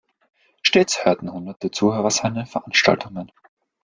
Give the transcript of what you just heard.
Stets hörten Hunderte Zuhörer seine Veranstaltungen.